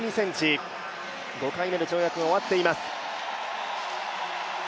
６ｍ５２ｃｍ、５回目の跳躍が終わっています。